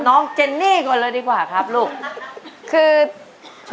น้องเจนนี่คนละดีกว่าครับลูก